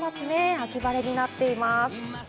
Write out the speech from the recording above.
秋晴れになっています。